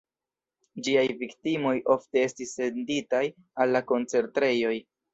Ĝiaj viktimoj ofte estis senditaj al koncentrejoj.